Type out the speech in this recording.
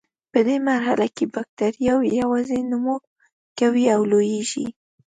په دې مرحله کې بکټریاوې یوازې نمو کوي او لویږي.